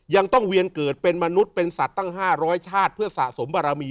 ยังต้องเวียนเกิดเป็นมนุษย์เป็นสัตว์ตั้ง๕๐๐ชาติเพื่อสะสมบารมี